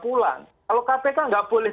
pulang kalau kpk nggak boleh